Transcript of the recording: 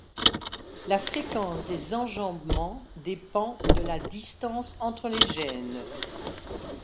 La fréquence des enjambements dépend de la distance entre les gènes.